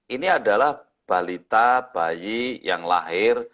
ini adalah balita bayi yang lahir